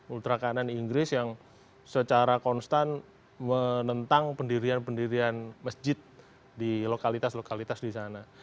ultra kanan inggris yang secara konstan menentang pendirian pendirian masjid di lokalitas lokalitas di sana